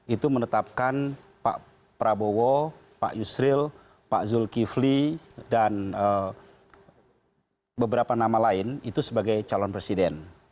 itu menetapkan pak prabowo pak yusril pak zulkifli dan beberapa nama lain itu sebagai calon presiden